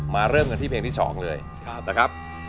เริ่มกันที่เพลงที่๒เลยนะครับ